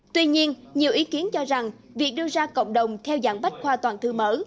tuy nhiên nhiều ý kiến cho rằng việc đưa ra cộng đồng theo dạng bách khoa toàn thư mở